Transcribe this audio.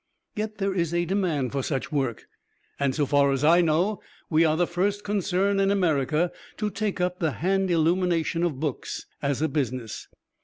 Yet there is a demand for such work; and so far as I know, we are the first concern in America to take up the hand illumination of books as a business.